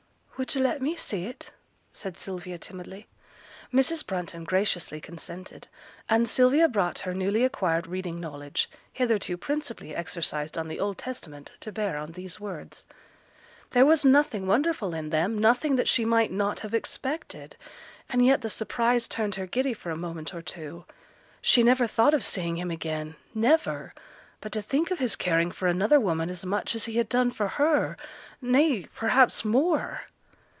'Would yo' let me see it?' said Sylvia, timidly. Mrs. Brunton graciously consented; and Sylvia brought her newly acquired reading knowledge, hitherto principally exercised on the Old Testament, to bear on these words. There was nothing wonderful in them, nothing that she might not have expected; and yet the surprise turned her giddy for a moment or two. She never thought of seeing him again, never. But to think of his caring for another woman as much as he had done for her, nay, perhaps more!